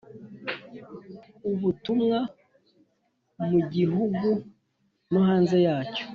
ubutumwa mu Gihugu no hanze yacyo